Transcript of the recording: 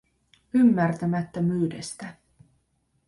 Ymmärtämättömyydestä.